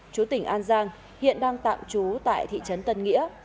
chú tỉnh an giang hiện đang tạm trú tại thị trấn tân nghĩa